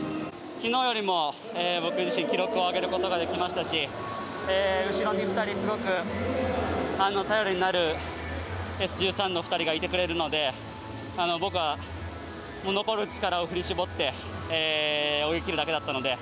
昨日よりも僕自身記録を上げることができましたし後ろに２人、すごく頼りになるＳ１３の２人がいてくれるので僕は残る力を振り絞って泳ぎきるだけだったので。